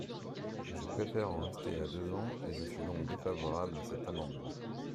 Je préfère en rester à deux ans et je suis donc défavorable à cet amendement.